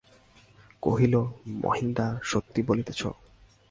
কহিল, মহিনদা, সত্য বলিতেছ?